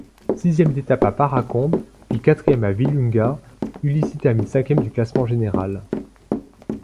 Sixième d'étape à Paracombe puis quatrième à Willunga, Ulissi termine cinquième du classement général.